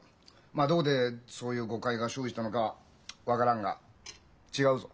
まあどこでそういう誤解が生じたのかは分からんが違うぞ。